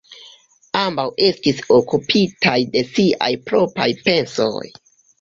Ambaŭ estis okupitaj de siaj propraj pensoj.